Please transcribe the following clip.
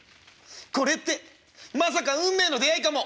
これってまさか運命の出会いかも！」。